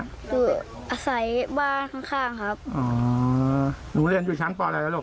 คืออาศัยบ้านข้างข้างครับอ๋อหนูเรียนอยู่ชั้นปอะไรแล้วลูก